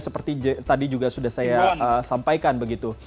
seperti tadi juga sudah saya sampaikan begitu